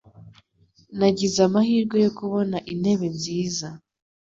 Nagize amahirwe yo kubona intebe nziza.